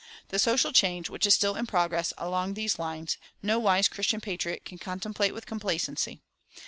The social change which is still in progress along these lines no wise Christian patriot can contemplate with complacency.